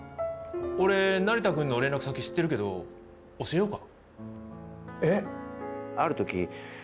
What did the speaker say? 俺成田くんの連絡先知ってるけど教えようか？